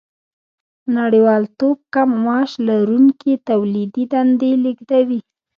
نړیوالتوب کم معاش لرونکي تولیدي دندې لېږدوي